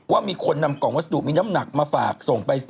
ว่ามีคนนำกล่องวัสดุมีน้ำหนักมาฝากส่งไป